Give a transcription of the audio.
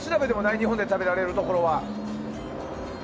日本で食べられるところは。